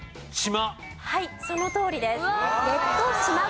そのとおりです。